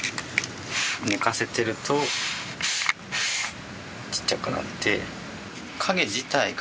寝かせてるとちっちゃくなって。